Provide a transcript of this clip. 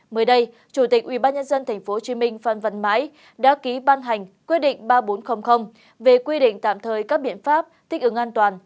mới đây chủ tịch ubnd tp hcm phan văn mãi đã ký ban hành quyết định ba nghìn bốn trăm linh về quy định tạm thời các biện pháp thích ứng an toàn